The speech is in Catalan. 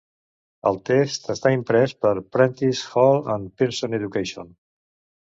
El text està imprès per Prentice Hall and Pearson Education.